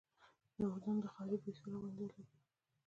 د اردن د خاورې بوی ښه را ولګېده.